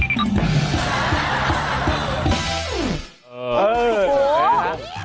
สกิดยิ้ม